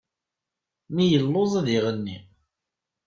Mi yelluẓ ad iɣenni.